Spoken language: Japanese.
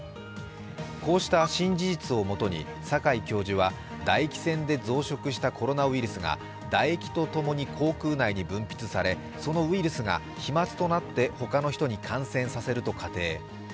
こうした新事実をもとに阪井教授は唾液腺で増殖したコロナウイルスが唾液と共に口腔内に分泌されそのウイルスが飛まつとなって他の人に感染させると仮定。